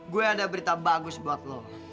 gue ada berita bagus buat lo